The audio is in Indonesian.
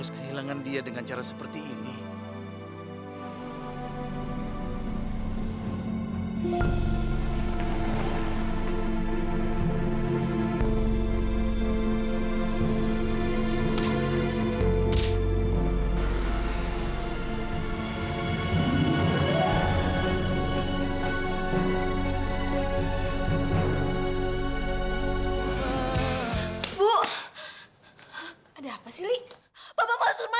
sampai jumpa di video selanjutnya